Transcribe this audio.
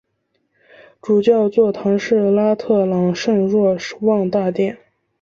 主教座堂是拉特朗圣若望大殿。